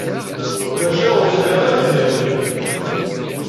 Maca ur sεiɣ ara idrimen.